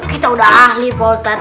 kita udah ahli ustadz